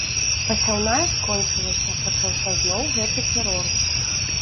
Пасяўная скончылася, пачаўся зноў гэты тэрор.